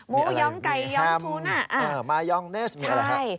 มีอะไรมีแฮมมายองเนสมีอะไรครับ